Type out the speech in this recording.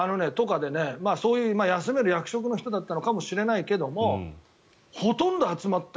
そういう休める役職の人だったのかもしれないけどほとんど集まってた。